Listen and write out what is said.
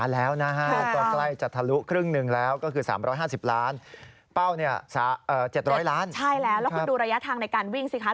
แล้วคุณดูระยะทางในการวิ่งสิคะ